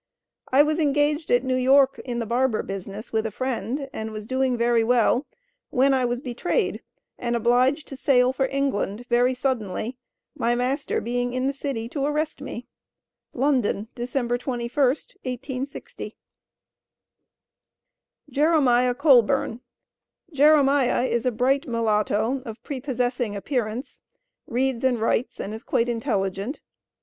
I was engaged at New York, in the barber business, with a friend, and was doing very well, when I was betrayed and obliged to sail for England very suddenly, my master being in the city to arrest me. (LONDON, December 21st, 1860.) [Illustration: Escaping from Alabama on top of a car.] JEREMIAH COLBURN. Jeremiah is a bright mulatto, of prepossessing appearance, reads and writes, and is quite intelligent.